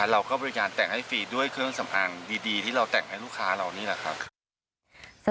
เราก็บริการแต่งให้ฟรีด้วยเครื่องสำอางดีที่เราแต่งให้ลูกค้าเรานี่แหละครับ